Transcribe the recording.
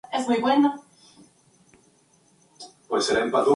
Entre los fabricantes europeos destacaban Telefunken, Siemens, y Olivetti.